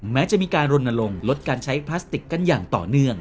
แม้จะมีการรณรงค์ลดการใช้พลาสติกกันอย่างต่อเนื่อง